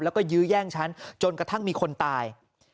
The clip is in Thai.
แล้วก็ยื้อแย่งฉันจนกระทั่งมีคนตาย